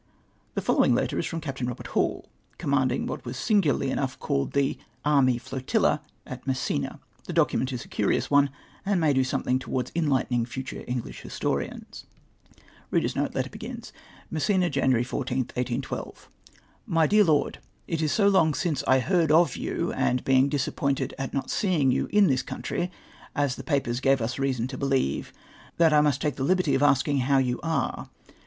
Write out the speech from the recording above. The following letter is Itoiii Captain Eobert Hall, C(jmnianding what was smo ularlv enouii h called the ^^ army jlotUla'" at Messina. The document is a curious <'>ne, and may do something towards enhglitening future Emrlisli historians :— CUEIOUS LETTER FEOM CAPT. HALL. 2 21 "Messina, Jan. 14, 1812. " My dear Lord, — It is so long since I heard of you, and being disappointed at not seeing yon in this country, as the papers gave us reason to believe, that I must take the liberty of asking you how you are.